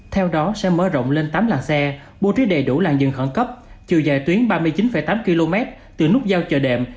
theo đó sẽ mở rộng lên tám làng xe bố trí đầy đủ làng dừng khẩn cấp chiều dài tuyến ba mươi chín tám km từ nút giao chợ đệm